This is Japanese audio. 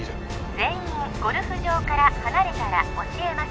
全員ゴルフ場から離れたら教えます